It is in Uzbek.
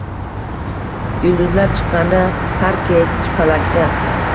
Yulduzlar chiqqanda har kech falakka